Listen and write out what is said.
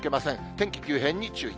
天気急変に注意。